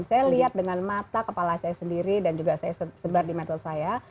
saya lihat dengan mata kepala saya sendiri dan juga saya sebar di metal saya